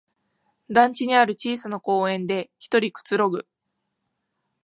団地にある小さな公園でひとりくつろぐ